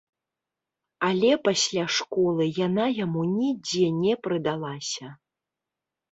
Але пасля школы яна яму нідзе не прыдалася.